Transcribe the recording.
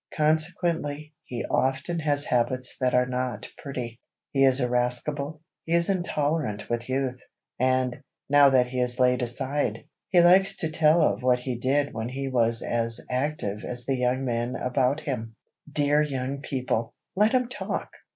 Consequently, he often has habits that are not pretty. He is irascible; he is intolerant with youth, and, now that he is laid aside, he likes to tell of what he did when he was as active as the young men about him. Dear young people, let him talk!